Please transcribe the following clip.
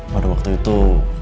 pada waktu itu